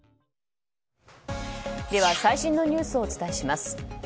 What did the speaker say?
では、最新のニュースをお伝えします。